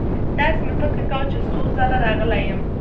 داسې مې فکر کاوه چې څو ځله راغلی یم.